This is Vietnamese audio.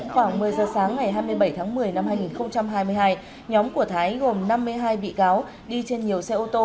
khoảng một mươi giờ sáng ngày hai mươi bảy tháng một mươi năm hai nghìn hai mươi hai nhóm của thái gồm năm mươi hai bị cáo đi trên nhiều xe ô tô